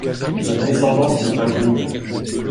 Sa descendance n’est pas connue.